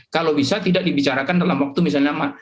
kalau bisa tidak dibicarakan dalam waktu misalnya